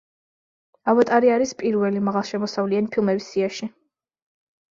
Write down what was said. ავატარი არის პირველი მაღალშემოსავლიანი ფილმების სიაში.